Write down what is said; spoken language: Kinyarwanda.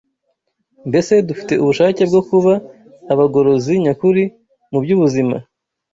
Mbese dufite ubushake bwo kuba abagorozi nyakuri mu by’ubuzima?”